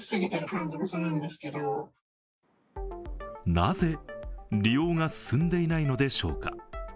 なぜ利用が進んでいないのでしょうか。